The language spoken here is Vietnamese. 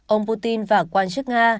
ông putin và quan chức nga